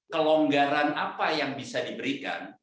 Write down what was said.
kelonggaran apa yang bisa diberikan